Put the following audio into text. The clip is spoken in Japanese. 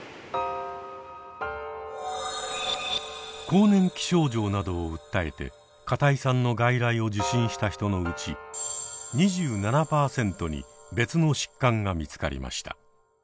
更年期症状などを訴えて片井さんの外来を受診した人のうち２７％に別の疾患が見つかりました。